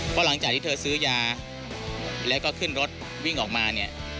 ก็หลังจากที่ซื้อยาแล้วคืนรถวิ่งออกมาเนี่ย